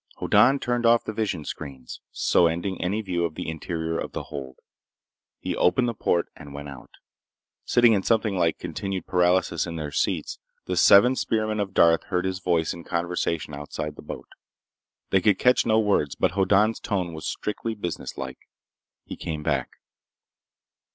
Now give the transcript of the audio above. Hoddan turned off the visionscreens, so ending any view of the interior of the hold. He opened the port and went out. Sitting in something like continued paralysis in their seats, the seven spearmen of Darth heard his voice in conversation outside the boat. They could catch no words, but Hoddan's tone was strictly businesslike. He came back.